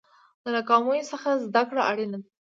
د ناکامیو څخه زده کړه اړینه ده.